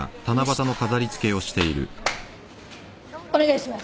お願いします。